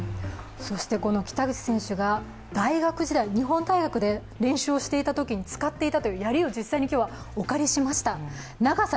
この北口選手が大学時代、日本大学で練習をしていたときに使っていたというやりを実際に今日はお借りしました。